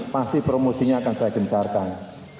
pasti promosinya akan saya gencarkan